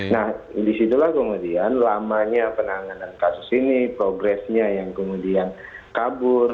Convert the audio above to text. nah disitulah kemudian lamanya penanganan kasus ini progresnya yang kemudian kabur